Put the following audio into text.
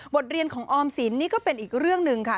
เรียนของออมสินนี่ก็เป็นอีกเรื่องหนึ่งค่ะ